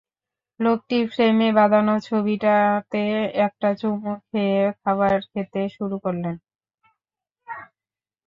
লোকটি ফ্রেমে বাঁধানো ছবিটাতে একটা চুমু দিয়ে খাবার খেতে শুরু করলেন।